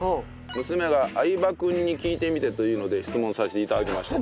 娘が相葉君に聞いてみてと言うので質問させて頂きましたと。